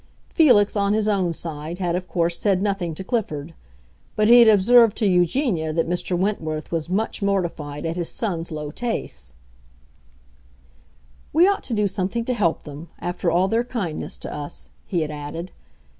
Felix, on his own side, had of course said nothing to Clifford; but he had observed to Eugenia that Mr. Wentworth was much mortified at his son's low tastes. "We ought to do something to help them, after all their kindness to us," he had added.